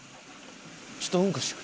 ちょっとうんこしてくる。